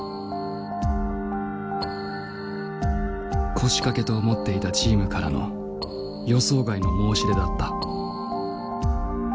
腰掛けと思っていたチームからの予想外の申し出だった。